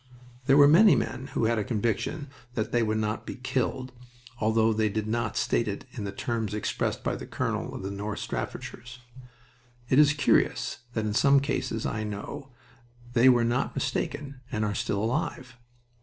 There were many men who had a conviction that they would not be killed, although they did not state it in the terms expressed by the colonel of the North Staffordshires, and it is curious that in some cases I know they were not mistaken and are still alive.